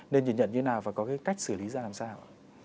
nên nhận như thế nào và có cái cách xử lý ra làm sao